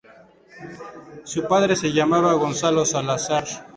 Su padre se llamaba Gonzalo Salazar.